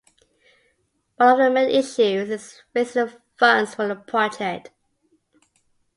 One of the main issues is raising the funds for the project.